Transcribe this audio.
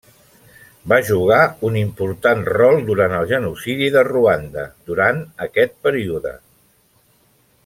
Va jugar un important rol durant el Genocidi de Ruanda durant aquest període.